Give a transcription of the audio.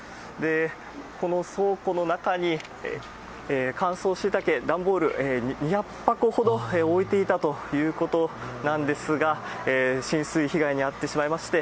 この倉庫の中に、乾燥しいたけ、段ボール２００箱ほど置いていたということなんですが、浸水被害に遭ってしまいまして、